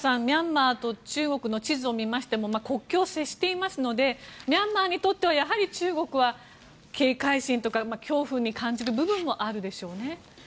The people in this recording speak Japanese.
ミャンマーと中国の地図を見ましても国境を接していますのでミャンマーにとってはやはり中国は警戒心というか恐怖に感じる部分もあるでしょうね。